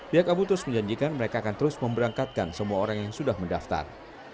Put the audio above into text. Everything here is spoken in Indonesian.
pihak abu tus menjanjikan mereka akan terus memberangkatkan semua orang yang sudah mendaftar